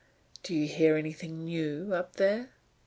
"Do you hear anything new up there?"